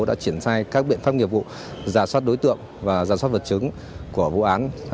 đã triển khai các biện pháp nghiệp vụ giả soát đối tượng và giả soát vật chứng của vụ án